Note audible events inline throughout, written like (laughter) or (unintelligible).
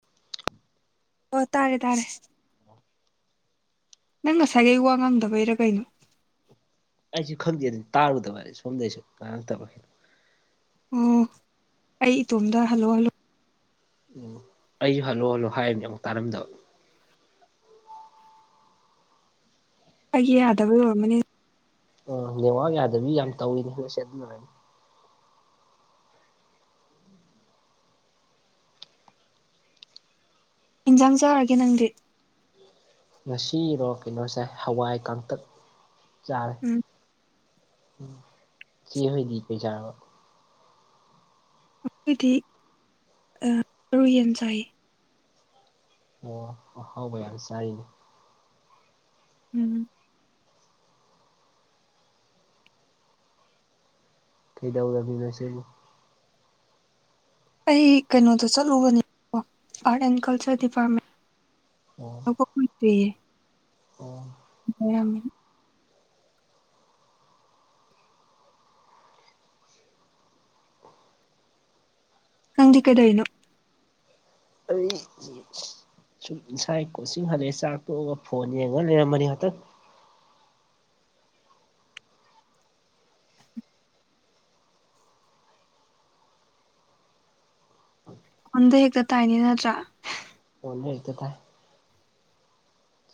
(unintelligible) ꯑꯣ ꯇꯥꯔꯦ ꯇꯥꯔꯦ (unintelligible) ꯅꯪ ꯉꯁꯥꯏꯒꯤ ꯋꯥ ꯉꯥꯡꯗꯕꯩꯔ ꯀꯩꯅꯣ ꯑꯩꯁꯨ ꯈꯪꯗꯦ ꯑꯗꯨꯝ ꯇꯥꯔꯨꯗꯕ ꯍꯥꯏꯗꯤ ꯁꯣꯝꯗꯩꯁꯨ ꯉꯥꯡ ꯂꯛꯇꯕꯥ ꯑꯣ ꯑꯩ ꯏꯇꯣꯝꯗ ꯍꯜꯂꯣ ꯍꯜꯂꯣ ꯎꯝ- ꯑꯩ ꯍꯜꯂꯣ ꯍꯜꯂꯣ ꯍꯥꯏꯔꯤꯕꯅꯦ ꯑꯃꯨꯛ ꯇꯥꯔꯝꯗꯕ ꯑꯩꯒꯤ ꯌꯥꯗꯕꯩ ꯑꯣꯏꯔꯝꯅꯤ ꯑ‌ꯣ ꯅꯦꯋꯥꯛ ꯌꯥꯗꯕꯤ ꯌꯥꯝ ꯇꯧꯋꯤꯅꯦ ꯍꯟꯛꯁꯦ ꯑꯗꯨꯅꯔꯅꯤ ꯏꯟꯖꯥꯡ ꯆꯥꯔꯒꯦ ꯅꯪꯗꯤ ꯉꯁꯤꯔꯣ ꯀꯩꯅꯣꯆꯥꯏ ꯍꯋꯥꯏ ꯀꯥꯡꯇꯛ ꯆꯥꯔꯦ ꯎꯝ ꯆꯦꯍꯣꯏꯗꯤ ꯀꯩꯆꯥꯔꯕ ꯑꯩꯈꯣꯏꯗꯤ ꯃꯔꯨ ꯌꯦꯟ ꯆꯥꯏ ꯑꯣ ꯑꯍꯥꯎꯕ ꯌꯥꯝ ꯆꯥꯔꯤꯅꯦ ꯎꯝ ꯀꯩꯗꯧꯔꯝꯃꯤꯅ‌ꯣ ꯏꯆ‌ꯦꯕꯨ ꯑꯩ ꯀꯩꯅꯣꯗ ꯆꯠꯂꯨꯕꯅꯦꯀꯣ ꯑꯥꯔꯠ ꯑꯦꯟ ꯀꯜꯆꯔ ꯗꯤꯄꯥꯔꯠꯃꯦꯟ ꯑꯣ (unintelligible) ꯑꯣ (unintelligible) (unintelligible) ꯅꯪꯗꯤ ꯀꯗꯩꯔꯤꯅꯣ (unintelligible) ꯁꯨꯝ ꯏꯁꯥꯏ ꯀꯣꯆꯤꯡ ꯍꯜꯂꯛꯑꯦ ꯆꯥꯛ ꯇꯣꯛꯑꯒ ꯐꯣꯟ ꯌꯦꯡꯍꯜꯂꯔ ꯃꯅꯤ ꯉꯥꯛꯇꯪ ꯐꯣꯟꯗ ꯍꯦꯛꯇ ꯇꯥꯏꯅꯧ ꯅꯠꯇ꯭ꯔꯥ ꯐꯣꯟꯗ ꯍꯦꯛꯇ ꯇꯥꯏ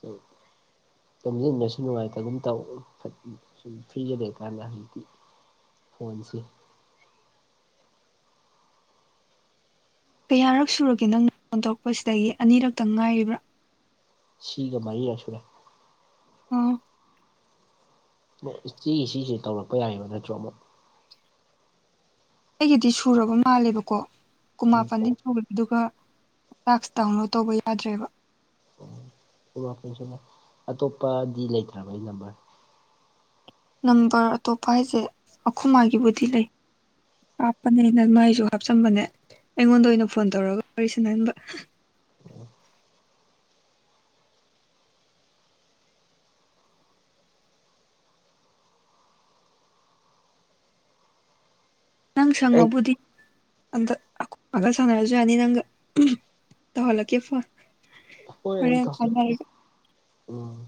ꯎ (unintelligible) ꯇꯣꯝꯁꯤꯟꯕꯁꯨ ꯅꯨꯡꯉꯥꯏꯇꯕꯒꯝ ꯇꯧ ꯁꯨꯝ ꯐ꯭ꯔꯤꯗ ꯂꯩꯀꯥꯟꯗ ꯍꯧꯖꯤꯛꯇꯤ ꯐꯣꯟꯁꯤ ꯀꯌꯥꯔꯛ ꯁꯨꯔꯒꯦ ꯅꯪ ꯐꯣꯟ ꯇꯧꯔꯛꯄꯁꯤꯗꯒꯤ ꯑꯅꯤꯔꯛꯇꯪ ꯉꯥꯏꯔꯤꯕ꯭ꯔꯥ ꯁꯤꯒ ꯃꯔꯤꯔꯛ ꯁꯨꯔꯦ ꯑꯣ ꯏꯆꯦ ꯁꯤꯁꯦ ꯇꯧꯔꯛꯄ ꯌꯥꯔꯤꯕ ꯅꯠꯇ꯭ꯔꯣ ꯑꯃꯨꯛ ꯑꯩꯒꯤꯗꯤ ꯁꯨꯔꯕ ꯃꯥꯜꯂꯦꯕꯀꯣ ꯀꯨꯃꯥꯄꯥꯟꯗꯤ ꯁꯨꯒ꯭ꯔꯦ ꯑꯗꯨꯒ ꯇꯥꯛ꯭ꯁ ꯗꯥꯎꯟꯂꯣꯗ ꯇꯧꯕ ꯌꯥꯗ꯭ꯔꯦꯕ (unintelligible) ꯑꯇꯣꯞꯄꯗꯤ ꯂꯩꯇ꯭ꯔꯕ ꯅꯝꯕꯔ ꯅꯝꯕꯔ ꯑꯇꯣꯞꯄ ꯍꯥꯏꯁꯦ ꯑꯩꯈꯣꯏ ꯃꯥꯒꯤꯕꯨꯗꯤ ꯂꯩ ꯍꯥꯞꯄꯅꯦꯅ ꯃꯥꯏꯁꯨ ꯍꯥꯞꯆꯟꯕꯅꯦ ꯑꯩꯉꯣꯟꯗ ꯑꯣꯏꯅ ꯐꯣꯟ ꯇꯧꯔꯒ ꯋꯥꯔꯤ ꯁꯥꯅꯍꯟꯕ (unintelligible) ꯅꯪ ꯑꯩ ꯁꯪꯉꯕꯨꯗꯤ ꯑꯗ ꯃꯈꯒ ꯁꯥꯅꯔꯁꯨ ꯌꯥꯅꯤ ꯅꯪ ꯇꯧꯍꯟꯂꯛ ꯀꯦ ꯐꯣꯟ ꯍꯣꯏ ꯍꯣꯔꯦꯟ (unintelligible) ꯁꯥꯟꯅꯔꯒ ꯎꯝ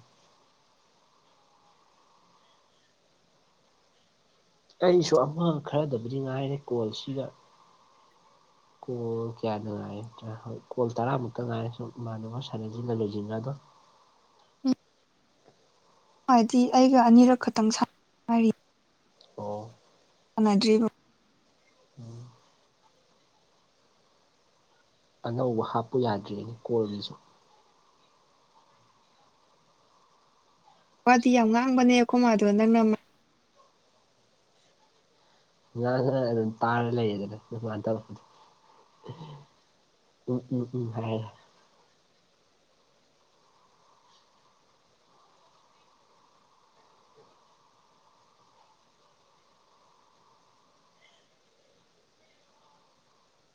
ꯑꯩꯁꯨ ꯑꯃ ꯈꯔꯗꯕꯨꯗꯤ ꯉꯥꯏꯔꯦ ꯀꯣꯜꯁꯤꯗ ꯀꯣꯜ ꯀꯌꯥꯗ ꯉꯥꯏꯗ꯭ꯔ ꯍꯣꯏ ꯀꯣꯜ ꯇꯔꯥꯃꯨꯛꯇ ꯉꯥꯏꯔꯦ ꯁ ꯏꯃꯥꯟꯅꯕ ꯁꯥꯟꯅꯖꯤꯟꯅ ꯂꯣꯏꯁꯤꯟꯒꯗꯧꯅꯤ ꯎꯝ ꯍꯥꯏꯗꯤ ꯑꯩꯒ ꯑꯅꯤꯔꯛ ꯈꯛꯇꯪ ꯁꯥꯟꯅ ꯉꯥꯏꯔꯤ ꯑꯣ ꯁꯥꯅꯗ꯭ꯔꯤꯕ ꯎꯝ ꯑꯅꯧꯕ ꯍꯥꯞꯄꯨ ꯌꯥꯗ꯭ꯔꯦꯅꯦ ꯀꯣꯜꯕꯁꯨ ꯋꯥꯗꯤ ꯌꯥꯝ ꯉꯥꯡꯕꯅꯦ ꯑꯩꯈꯣꯏ ꯃꯥꯗꯣ ꯅꯪꯅ ꯉ ꯇꯥꯔ ꯂꯩꯌꯦꯗꯅ ꯃꯥꯅ ꯇꯧꯄ ꯎꯝ ꯎꯝ ꯎꯝ ꯍꯥꯏ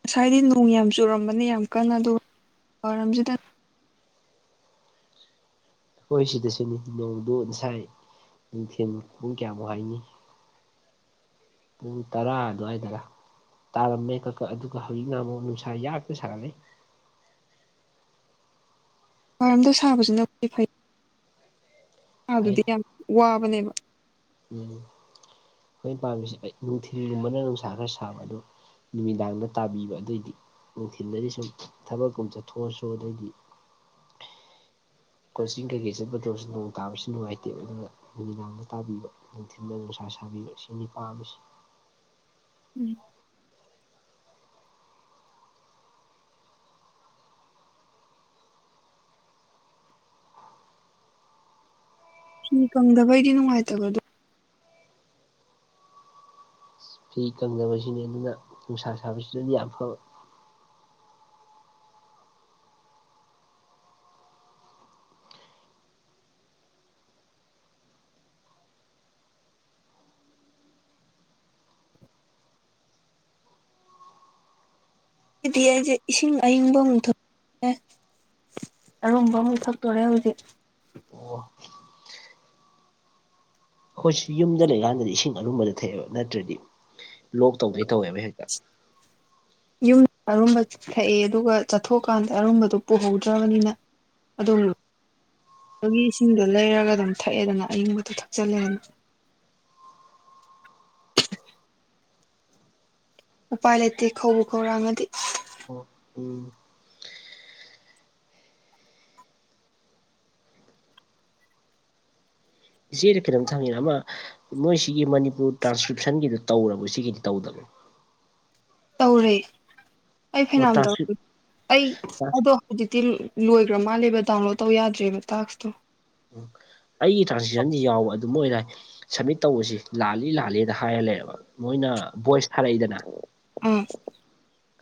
ꯉꯁꯥꯏꯗꯤ ꯅꯣꯡ ꯌꯥꯝ ꯆꯨꯔꯝꯕꯅꯤ ꯌꯥꯝ ꯀꯟꯅ ꯑꯗꯨ ꯑꯣꯏꯔꯝꯁꯤꯗ ꯍꯈꯣꯏ ꯁꯤꯗꯁꯨꯅꯤ ꯅꯣꯡꯗꯨ ꯉꯁꯥꯏ ꯅꯨꯡꯊꯦꯝ ꯃꯈꯣꯡ ꯀꯌꯥꯃꯨꯛ ꯍꯥꯏꯅꯤ ꯄꯨꯡ ꯇꯔꯥ ꯑꯗꯨꯋꯥꯏꯗꯔ ꯇꯥꯔꯝꯃꯦ ꯀꯛꯀ ꯑꯗꯨꯒ ꯍꯧꯖꯤꯛꯅ ꯑꯃꯨꯛ ꯅꯨꯡꯁꯥ ꯌꯥꯛꯇ ꯁꯥꯒꯠꯂꯦ ꯋꯥꯏꯔꯝꯗ ꯁꯥꯕꯁꯤꯅ ꯑꯩꯈꯣꯏ ꯐꯩ ꯐꯩ ꯁꯥꯕꯗꯨꯗꯤ ꯌꯥꯝ ꯋꯥꯕꯅꯦꯕ ꯎꯝ ꯍꯣꯏ ꯄꯥꯝꯃꯤꯁꯦ ꯑꯩ ꯅꯨꯡꯊꯤꯜꯒꯨꯝꯕꯅ ꯅꯨꯡꯁꯥ ꯈꯔ ꯁꯥꯕ ꯑꯗꯨ ꯅꯨꯃꯤꯗꯥꯡꯗ ꯇꯥꯕꯤꯕ ꯑꯗꯨꯑꯣꯏꯗꯤ ꯅꯨꯡꯊꯤꯜꯗꯗꯤ ꯁꯨꯝ ꯊꯕꯛꯀꯨꯝ ꯆꯠꯊꯣꯛꯑꯁꯨ ꯑꯗꯩꯗꯤ ꯀꯣꯆꯤꯡ ꯀꯩꯀꯩ ꯆꯠꯄꯗꯧꯕꯁꯨ ꯅꯣꯡ ꯇꯥꯕꯁꯨ ꯅꯨꯡꯉꯥꯏꯇꯦꯕ ꯑꯗꯨꯅ ꯅꯨꯃꯤꯗꯥꯡꯅ ꯇꯥꯕꯤꯕ ꯅꯨꯡꯊꯤꯜꯗ ꯅꯨꯡꯁꯥ ꯁꯥꯕꯤꯕ ꯁꯤꯅꯤ ꯄꯥꯝꯃꯤꯁꯦ ꯎꯝ ꯐꯤ ꯀꯪꯗꯕꯩꯗꯤ ꯅꯨꯡꯉꯥꯏꯇꯕꯗꯣ ꯐꯤ ꯀꯪꯗꯕꯁꯤꯅꯤ ꯑꯗꯨꯅ ꯅꯨꯡꯁꯥ ꯁꯥꯕꯁꯤꯗꯗꯤ ꯌꯥꯝ ꯐꯕ ꯍꯥꯏꯗꯤ ꯑꯩꯁꯦ ꯏꯁꯤꯡ ꯑꯏꯪꯕ ꯑꯃꯨꯛ ꯊꯛꯑꯦ ꯑꯔꯨꯝꯕ ꯑꯃꯨꯊꯛꯇꯣꯔꯦ ꯍꯧꯖꯤꯛ ꯑꯣ ꯑꯩꯈꯣꯏꯁꯨ ꯌꯨꯝꯗ ꯂꯩꯀꯥꯟꯗꯗꯤ ꯏꯁꯤꯡ ꯑꯔꯨꯝꯕꯗ ꯊꯛꯑꯦꯕ ꯅꯠꯇ꯭ꯔꯗꯤ ꯂꯣꯛ ꯇꯧꯗꯩ ꯇꯧꯋꯦꯕ ꯍꯦꯛꯇ ꯌꯨꯝꯗ ꯑꯔꯨꯝꯕ ꯊꯛꯑꯦ ꯑꯗꯨꯒ ꯆꯠꯊꯣꯛꯑꯀꯥꯟꯗ ꯑꯔꯨꯝꯕꯗꯨꯣ ꯄꯨꯍꯧꯗ꯭ꯔꯕꯅꯤꯅ ꯑꯗꯨꯝ ꯂꯨꯕꯒꯤ ꯏꯁꯤꯡꯗꯣ ꯂꯩꯔꯒ ꯑꯗꯨꯝ ꯊꯛꯑꯦꯗꯅ ꯑꯌꯤꯡꯕꯇ ꯊꯛꯆꯜꯂꯦꯗꯅ ꯎꯄꯥꯏ ꯂꯩꯇꯦ ꯀꯧꯕ ꯈꯧꯔꯥꯡꯉꯗꯤ ꯑꯣ ꯎꯝ ꯏꯆꯦꯗ ꯀꯩꯅꯣꯝꯇ ꯁꯪꯉꯤꯅ ꯑꯃ ꯃꯣꯏꯁꯤꯒꯤ ꯃꯅꯤꯄꯨꯔ ꯇ꯭ꯔꯥꯟꯁꯀ꯭ꯔꯤꯠ ꯞꯁꯟꯒꯤꯗꯨꯣ ꯇꯧꯔꯕ ꯁꯤꯒꯤꯗꯤ ꯇꯧꯗꯕꯅꯤ ꯇꯧꯔꯦ ꯑꯩ ꯑꯣ ꯐꯩꯅꯥꯝ ꯇ꯭ꯔꯥꯟꯁꯀ꯭ꯔꯤꯞ ꯇꯧꯔ ꯑꯩ ꯑꯗꯣ ꯍꯧꯖꯤꯛꯇꯤ ꯂꯣꯏꯈ꯭ꯔ ꯃꯥꯜꯂꯦꯕ ꯗꯥꯎꯟꯂꯣꯗ ꯇꯧ ꯌꯥꯗ꯭ꯔꯦꯕ ꯇꯥꯛꯁꯇꯣ ꯑꯩꯒꯤ ꯇ꯭ꯔꯥꯟꯁꯦꯛꯁꯟꯁꯤ ꯌꯥꯎꯕ ꯑꯗꯨꯝ ꯑꯣꯏꯔꯥꯏ ꯁꯕꯃꯤꯠ ꯇꯧꯕꯁꯤ ꯂꯥꯜꯂꯤ ꯂꯥꯂꯦꯅ ꯍꯥꯏꯔꯂꯕ ꯃꯣꯏꯅ ꯚꯣꯏꯁ ꯊꯥꯔꯛꯏꯗꯅ ꯑꯥ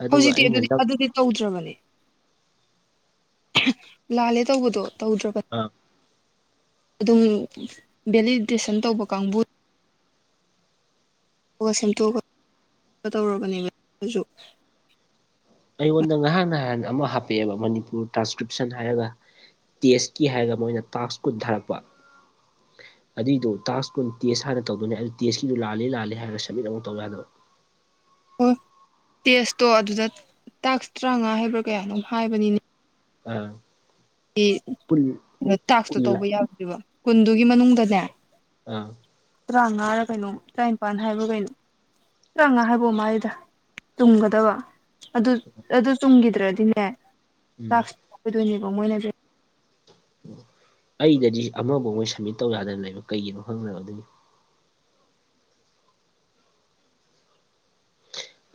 ꯑꯗꯨꯒ ꯍꯧꯖꯤꯛꯇꯤ ꯑꯩꯅ ꯑꯗꯨꯗꯤ ꯅꯪ ꯑꯗꯨꯗꯤ ꯇꯧꯗ꯭ꯔꯕꯅꯦ ꯂꯥꯜꯂꯦ ꯇꯧꯕꯗꯣ ꯇꯧꯗ꯭ꯔꯕ ꯑꯥ ꯑꯗꯨꯝ ꯚꯦꯂꯤꯗꯦꯁꯟ ꯇꯧꯕ ꯀꯥꯡꯕꯨ ꯑ ꯁꯦꯝꯗꯣꯛꯑꯒ ꯇꯧꯔꯕꯅꯦꯕ ꯑꯗꯨ ꯑꯩꯉꯣꯟꯗ ꯅꯍꯥꯟ ꯅꯍꯥꯟ ꯑꯃ ꯍꯥꯞꯄꯛꯑꯦꯕ ꯃꯅꯤꯄꯨꯔ ꯇ꯭ꯔꯥꯟꯁꯀ꯭ꯔꯤꯞꯁꯟ ꯍꯥꯏꯔꯒ ꯇꯦꯁꯀꯤ ꯍꯥꯏꯔꯒ ꯃꯣꯏꯅ ꯇꯥꯛꯁ ꯀꯨꯟꯊꯔꯛꯄ ꯑꯗꯨꯏꯗꯨꯣ ꯇꯥꯛꯁꯀꯨ ꯇꯦꯁ ꯍꯥꯟꯅ ꯇꯧꯗꯣꯏꯅꯦ ꯑꯗꯨ ꯇꯦꯁꯀꯤꯗꯨ ꯂꯥꯜꯂꯤ ꯂꯥꯜꯂ ꯍꯥꯏꯔꯒ ꯁꯕꯃꯤꯠ ꯑꯃꯨꯛ ꯇꯧ ꯌꯥꯗꯕ ꯑꯣ ꯇꯦꯁꯇꯣ ꯑꯗꯨꯗ ꯇꯥꯛꯁ ꯇꯔꯥꯃꯉꯥ ꯍꯥꯏꯕ꯭ꯔꯥ ꯀꯌꯥ ꯑꯗꯨꯝ ꯍꯥꯏꯕꯅꯤꯅꯦ ꯑꯥ ꯀꯨꯟ ꯇꯥꯛꯁꯇꯣ ꯀꯨꯟ ꯇꯧꯕ ꯂꯥꯛ ꯌꯥꯗ꯭ꯔꯤꯕ ꯀꯨꯟꯗꯨꯒꯤ ꯃꯅꯨꯡꯗꯅꯦ ꯑꯥ ꯇꯔꯥꯃꯉꯥꯔꯥ ꯀꯩꯅꯣ ꯇꯔꯥꯅꯤꯄꯥꯟ ꯍꯥꯏꯕ꯭ꯔꯥ ꯀꯩꯅꯣ ꯆꯪꯉꯥ ꯍꯥꯏꯕꯣ ꯃꯥꯥꯏꯗ ꯇꯨꯝꯒꯗꯕ ꯑꯗꯨ ꯑꯗꯨ ꯆꯨꯝꯈꯤꯗ꯭ꯔꯗꯤꯅꯦ ꯎꯝ ꯂꯥꯛ ꯑꯣꯏꯗꯣꯏꯅꯦꯕ ꯃꯣꯏꯅꯁꯦ ꯑꯣ ꯑꯩꯗꯗꯤ ꯑꯃꯐꯧ ꯃꯣꯏ ꯁꯝꯃꯤꯠ ꯇꯧ ꯌꯥꯗꯅ ꯂꯩꯕ ꯀꯩꯒꯤꯅꯣ ꯈꯪꯗꯕ ꯑꯗꯨꯅꯤ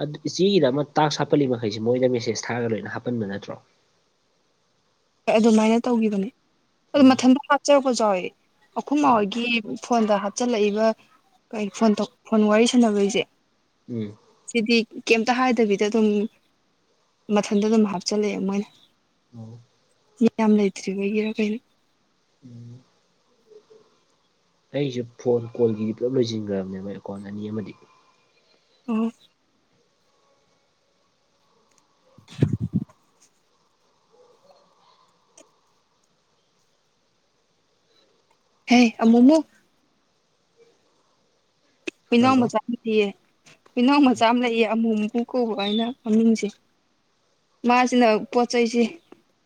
ꯑꯗꯨ ꯏꯆꯦꯒꯤꯗ ꯑꯃ ꯇꯥꯛꯁ ꯍꯥꯞꯄꯜꯂꯤ ꯃꯈꯩꯁꯤꯦ ꯃꯣꯏꯗ ꯃꯦꯁꯦꯁ ꯊꯥꯔꯒ ꯂꯣꯏꯅ ꯍꯥꯞꯄꯟꯕ ꯅꯠꯇ꯭ꯔꯣ ꯍꯣꯏ ꯑꯗꯨꯃꯥꯏꯅ ꯇꯧꯈꯤꯕꯅꯤ ꯑꯗꯨ ꯎꯝ ꯃꯊꯟꯗ ꯆꯠꯔꯛꯄ ꯆꯥꯎꯏ ꯑꯩꯈꯨꯝ ꯃꯥ ꯍꯣꯏꯒꯤ ꯐꯣꯟꯗ ꯍꯥꯞꯆꯤꯜꯂꯛꯏꯕ ꯀꯩ ꯐꯣꯟ ꯐꯣꯟ ꯋꯥꯔꯤ ꯁꯥꯟꯅꯕꯣꯏꯁꯦ ꯎꯝ ꯁꯤꯗꯤ ꯀꯩꯇ ꯍꯥꯏꯗꯕꯤꯗ ꯑꯗꯨꯝ ꯃꯊꯟꯇ ꯑꯗꯨꯝ ꯍꯥꯞꯆꯤꯜꯂꯛꯑꯦ ꯃꯣꯏꯅ ꯑꯣ ꯌꯥꯝ ꯂꯩꯇ꯭ꯔꯤꯕ ꯑꯣꯏꯩꯒꯤꯔꯥ ꯀꯩꯅꯣ ꯎꯝ ꯑꯩꯁꯦ ꯐꯣꯟ ꯀꯣꯜꯒꯤꯗꯤ ꯄꯨꯂꯞ ꯂꯣꯏꯁꯤꯟꯈ꯭ꯔꯕꯅꯦ ꯃꯣꯏ ꯑꯦꯀꯥꯎꯟ ꯑꯅꯤ ꯑꯃꯗꯤ ꯎꯝ (inaudible) ꯍꯦ ꯑ ꯃꯣꯃꯣ ꯍꯨꯏꯅꯥꯎ ꯍꯜꯂꯣ ꯃꯆꯥ ꯑꯃ ꯂꯩꯑ ꯍꯨꯏꯅꯥꯎ ꯃꯆꯥ ꯑꯃ ꯂꯩꯑ ꯑꯃꯨ ꯃꯨꯀꯨ ꯀꯧꯕ ꯍꯥꯏꯩꯅ ꯃꯃꯤꯡꯁꯦ ꯃꯥꯁꯤꯅ ꯄꯣꯠ ꯆꯩꯩꯁꯤ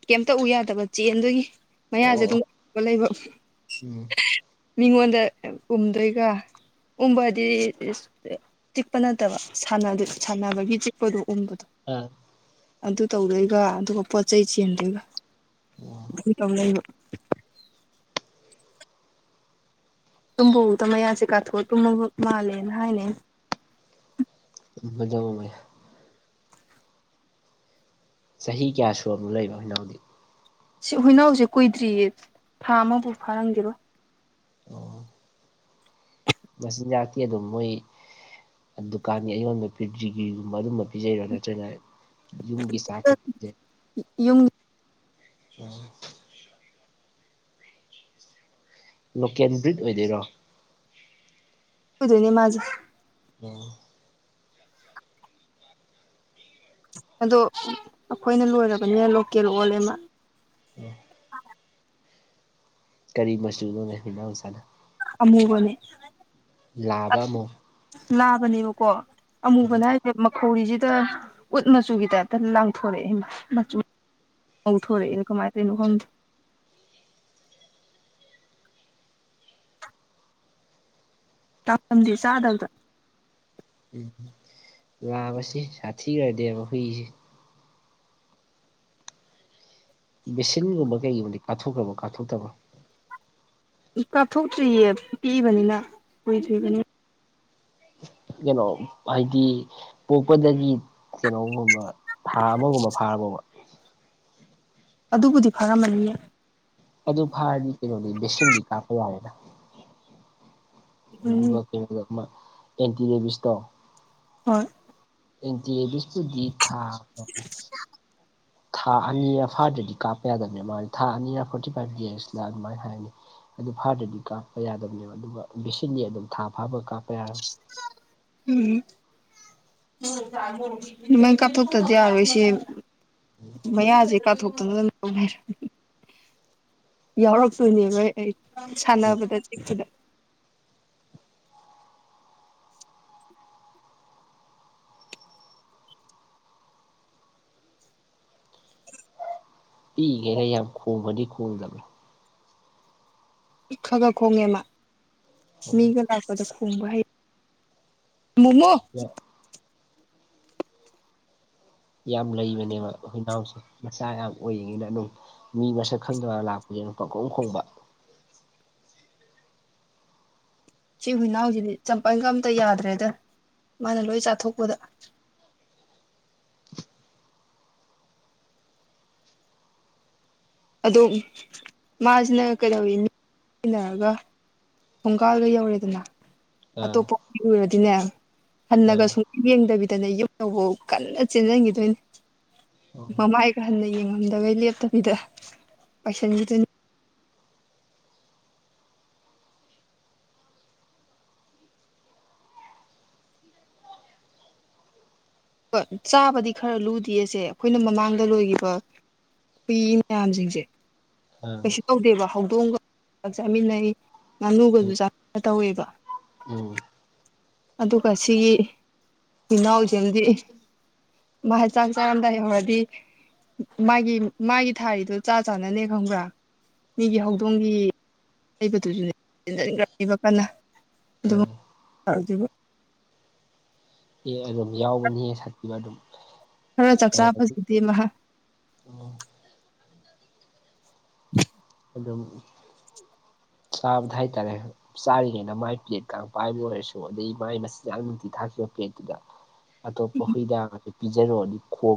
ꯀꯩꯝꯇ ꯎ ꯌꯥꯗꯕ ꯆꯦꯟꯗꯨꯒꯤ ꯃꯌꯥꯁꯦ ꯑꯣ ꯑꯗꯨꯝ ꯎ ꯂꯩꯕ ꯎꯝ ꯃꯤꯉꯣꯟꯗ ꯎꯨꯝꯗꯣꯏꯒ ꯎꯕꯗꯤ ꯆꯤꯛꯄ ꯅꯠꯇꯕ ꯁꯥꯟꯅꯕꯒꯤ ꯆꯤꯛꯄꯗꯣ ꯎꯕꯗꯣ ꯎꯝ ꯑꯗꯨ ꯇꯧꯗꯣꯏꯒ ꯑꯗꯨꯒ ꯄꯣꯠ ꯆꯩꯩ ꯆꯦꯟꯗꯣꯏꯒ ꯑꯗꯨ ꯇꯧꯗꯣꯏꯕ ꯇꯨꯝꯕꯗ ꯃꯌꯥꯁꯦ ꯀꯥꯊꯣꯛꯑ ꯇꯨꯝꯅꯕ ꯃꯥꯜꯂꯦꯅ ꯍꯥꯏꯅꯦ ꯃꯖꯥ ꯑꯃ ꯃ ꯆꯍꯤ ꯀꯌꯥ ꯁꯨ ꯑꯃꯨꯛ ꯂꯩꯕ ꯑꯩꯈꯣꯏꯅ ꯍꯧꯖꯤꯛ ꯁꯤ ꯍꯨꯏꯅꯥꯎꯁꯦ ꯀꯨꯏꯗ꯭ꯔꯤꯌꯦ ꯊꯥ ꯑꯃꯐꯥꯎ ꯐꯥꯔꯝꯒꯦꯔꯣ ꯑꯣ ꯃꯆꯤꯟꯖꯥꯛꯇꯤ ꯑꯗꯨꯝ ꯃꯣꯏ ꯗꯨꯀꯥꯟꯒꯤ ꯑꯩꯉꯣꯟꯗ ꯄꯤ꯭ꯔꯤꯒꯤꯔꯤꯒꯨꯝꯕ ꯑꯗꯨꯝꯕ ꯄꯤꯖꯩꯔꯣ ꯅꯠꯇ꯭ꯔꯒꯅ ꯌꯒꯤ ꯁꯥꯈꯤꯦ ꯌꯨꯝ ꯂꯣꯀꯦꯜ ꯕ꯭ꯔꯤꯠ ꯑꯣꯏꯗꯣꯏꯔꯣ ꯀꯣꯏꯗꯣꯏꯅꯤ ꯃꯥꯖꯤꯦ ꯑꯣꯝ ꯑꯗꯣ ꯑꯩꯈꯣꯏꯅ ꯂꯣꯏꯔꯕꯅꯤꯅ ꯂꯣꯀꯦꯜ ꯑꯣꯜꯂꯦꯃ ꯀꯔꯤ ꯃꯆꯨꯅꯣꯅꯅꯖꯥꯅ ꯑꯃꯨꯒꯅꯦ ꯂꯥꯗ ꯑꯃꯣ ꯂꯥꯕꯅꯦꯕꯀꯣ ꯎꯝ ꯑꯃꯨꯕꯅ ꯃꯈꯧꯔꯤꯁꯤꯗ ꯎꯠ ꯃꯆꯨꯒꯤ ꯇꯥꯏꯞꯇ ꯂꯥꯡꯊꯣꯔꯛꯑꯦ ꯃꯆꯨ ꯃꯧꯊꯣꯣꯔꯦ ꯃꯥꯦ ꯂꯥꯄꯗ ꯆꯥꯗꯕꯗ ꯎꯝ ꯂꯥꯛꯕꯁꯤ ꯁꯥꯊꯤꯈ꯭ꯔꯗꯤꯦꯕ ꯍꯨꯏꯁꯤ ꯕꯦꯁꯤꯟꯒꯨꯝꯕ ꯀꯩꯒꯨꯝꯕꯗꯤ ꯀꯥꯊꯣꯛꯈ꯭ꯔꯕꯥ ꯀꯥꯞꯣꯛꯇꯕꯣ ꯀꯥꯞꯊꯣꯛꯇ꯭ꯔꯤꯌꯦ ꯄꯤꯛꯏꯕꯅꯤꯅ ꯀꯨꯏꯗ꯭ꯔꯤꯕꯅꯤꯅ ꯀꯩꯅꯣ ꯍꯥꯏꯩꯗꯤ ꯄꯣꯛꯄꯗꯒꯤ ꯀꯩꯅꯣꯒꯨꯝꯕ ꯊꯥ ꯑꯃꯒꯨꯝꯕ ꯐꯥꯒꯕ ꯑꯗꯨꯕꯨꯗꯤ ꯐꯔꯝꯃꯅꯤꯌꯦ ꯑꯗꯨ ꯐꯥꯔꯗꯤ ꯀꯩꯅꯣꯗꯤ ꯕꯦꯁꯤꯟꯗꯤ ꯀꯥꯞꯄ ꯌꯥꯏꯦꯅ ꯎꯝ ꯑꯗꯨꯒ ꯀꯩꯅꯣꯗ ꯃꯥ ꯑꯦꯟꯇꯤ ꯔꯦꯕꯤꯁꯇꯣ ꯍꯣꯏ ꯏꯟꯇ ꯕꯤꯁꯨꯗꯤ ꯊꯥ ꯊꯥ ꯑꯅꯤꯒ ꯐꯥꯗ꯭ꯔꯗꯤ ꯀꯥꯞꯄ ꯌꯥꯗꯕꯅꯦ ꯃꯥꯦ ꯊꯥ ꯑꯅꯤꯒ ꯐꯣꯔꯇꯤ ꯐꯥꯏꯚ ꯗꯦꯁꯅ ꯑꯗꯨꯃꯥꯏꯅ ꯍꯥꯏꯅꯤ ꯑꯗꯨ ꯐꯥꯗ꯭ꯔꯗꯤ ꯀꯥꯞꯄ ꯌꯥꯗꯕꯅꯦꯕ ꯑꯗꯨꯒ ꯕꯦꯁꯤꯟꯗꯤ ꯑꯗꯨꯝ ꯊꯥ ꯐꯥꯕ ꯀꯥꯞꯄ ꯌꯥꯔ ꯎꯝ ꯑꯗꯨꯃꯥꯏ ꯀꯥꯞꯊꯣꯛꯇꯗꯤ ꯌꯥꯔꯣꯏꯁꯦ ꯎꯝ ꯃꯌꯥꯁꯦ ꯀꯥꯞꯊꯣꯛꯇꯅ ꯌꯥꯎꯔꯛꯇꯣꯏꯅꯦꯕ ꯑꯩ ꯎꯝ ꯁꯥꯟꯅꯕꯗ ꯆꯤꯛꯄꯗ ꯄꯤꯏꯒꯦꯅ ꯌꯥꯝ ꯈꯣꯡꯕꯗꯤ ꯈꯣꯡꯗꯕ ꯈ ꯈ ꯈꯣꯡꯉꯦꯃ ꯃꯤꯒ ꯂꯥꯛꯄꯗ ꯈꯣꯡꯕ ꯍ ꯃꯨꯉꯣ ꯌꯥ ꯌꯥꯝ ꯂꯩꯕꯅꯦꯕ ꯑꯩꯈꯣꯏꯅꯥꯎꯁꯦ ꯃꯆꯥ ꯌꯥꯝ ꯑꯣꯏꯔꯤꯅꯤꯅ ꯑꯗꯨꯝ ꯃꯤ ꯃꯁꯛ ꯈꯪꯗꯕꯒ ꯂꯥꯛꯄꯁꯤꯅ ꯄꯪꯈꯣꯡ ꯈꯣꯡꯕ ꯁꯤ ꯍꯨꯏꯅꯥꯎꯁꯤꯗꯤ ꯆꯝꯄꯜꯒ ꯑꯝꯇ ꯌꯥꯗ꯭ꯔꯦꯗ ꯃꯥꯅ ꯂꯣꯏ ꯆꯥꯊꯣꯛꯄꯗ ꯑꯗ‌ꯣ ꯃꯥꯁꯤꯅ ꯀꯩꯗꯧꯋꯤꯟ (unintelligible) ꯅꯔꯒ ꯊꯣꯡꯒꯥꯜꯒ ꯌꯧꯔꯦꯗꯅ ꯑꯥ ꯑꯇꯣꯞꯄ (unintelligible) ꯎꯔꯗꯤꯅꯦ ꯍꯟꯅꯒ ꯑꯥ ꯁꯨꯡ ꯌꯦꯡꯗꯕꯤꯗꯅ‌ꯦ ꯌꯨꯝ ꯌꯧꯐꯧ ꯀꯟꯅ ꯆꯦꯟꯁꯤꯟꯈꯤꯗꯣꯏꯅꯤ ꯃꯃꯥꯏ ꯈꯔ ꯍꯟꯅ ꯌꯦꯡꯉꯝꯗꯕꯩ ꯂꯦꯞꯇꯕꯤꯗ ꯄꯩꯁꯟꯒꯤꯗꯨꯅꯤ ꯀ ꯆꯥꯕꯗꯤ ꯈꯔ ꯂꯨꯗꯦꯁꯦ ꯑꯩꯈꯣꯏꯅ ꯃꯃꯥꯡꯗ ꯂꯣꯏꯈꯤꯕ ꯅꯨꯄꯤ ꯃꯌꯥꯝꯁꯤꯡꯁꯦ ꯑꯥ ꯀꯩꯁꯨ ꯇꯧꯗꯦꯕ ꯍꯧꯗꯣꯡꯒ ꯆꯥꯃꯤꯟꯅꯩ ꯉꯥꯅꯨꯒꯁꯨ ꯆꯥ ꯇꯧꯋꯦꯕ ꯎꯝ ꯑꯗꯨꯒ ꯁꯤꯒꯤ ꯏꯅꯥꯎꯁꯗꯤ ꯃꯥꯩ ꯆꯥꯛ ꯆꯥꯔꯝꯗꯥꯏ ꯌꯧꯔꯗꯤ ꯃꯥꯒꯤ ꯃꯥꯒꯤ ꯊꯥꯔꯤꯗꯨ ꯆꯥ ꯆꯥꯅꯅꯦ ꯈꯪꯕ꯭ꯔꯥ ꯃꯤꯒꯤ ꯍꯧꯗꯣꯡꯒꯤ ꯂꯩꯕꯗꯨꯁꯨꯅꯦꯟꯈ꯭ꯔꯅꯦꯕ ꯀꯅꯥ (unintelligible) (unintelligible) ꯗꯨꯕꯨ ꯑꯦ ꯑꯗꯨꯝ ꯌꯥꯎꯕꯅꯤꯍꯦ ꯁꯛꯇꯨꯒ ꯑꯗꯨꯝ ꯈꯔ ꯆꯥꯛꯆꯥ (unintelligible) ꯐꯖꯗꯦ ꯃꯍꯥꯛ ꯑꯣ (inaudible) ꯑꯗꯨꯝ ꯆꯥꯕꯗ ꯍꯥꯏꯇꯥꯔꯦ ꯆꯥꯔꯤꯉꯩꯅ ꯃꯥꯏ ꯄ꯭ꯂꯦꯠꯀ ꯄꯥꯏꯕ ꯑꯣꯏꯔꯁꯨ ꯑꯗꯩ ꯃꯥꯏ ꯃꯆꯤꯟꯖꯥꯛ ꯅꯨꯡꯇꯤ ꯊꯥꯈꯤꯕ ꯄ꯭ꯂꯦꯠꯇꯨꯗ ꯑꯇꯣꯞꯄ ꯍꯨꯏꯗꯥ ꯉꯥꯛꯇ ꯄꯤꯖꯔꯨꯔꯗꯤ ꯈꯣꯡ